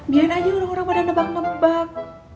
biarin aja orang orang pada nebak nebak